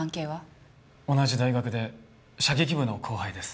同じ大学で射撃部の後輩です。